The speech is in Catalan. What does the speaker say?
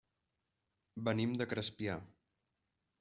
Venim de Crespià.